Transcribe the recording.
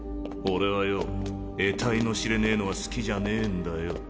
俺はよえたいの知れねえのは好きじゃねえんだよ。